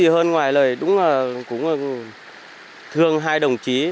nói gì hơn ngoài lời đúng là cũng thương hai đồng chí